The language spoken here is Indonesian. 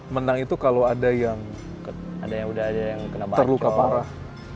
menang itu kalau ada yang terluka parah